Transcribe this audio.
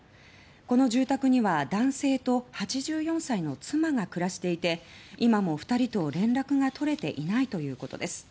この住宅には男性と８４歳の妻が暮らしていて今も２人と連絡が取れていないということです。